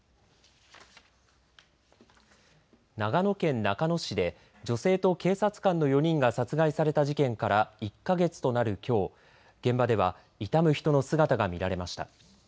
長野県中野市で女性と警察官の４人が殺害された事件から１か月となるきょう現場では悼む人の姿が見られました。